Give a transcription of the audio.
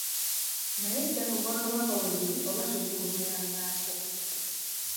Naye ddala Obwakabaka weebuli oba tuli ku byoya bya nswa.